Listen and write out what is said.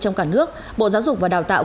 trong cả nước bộ giáo dục và đào tạo